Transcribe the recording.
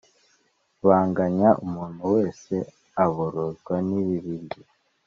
baganya umuntu wese aborozwa n ibibi bye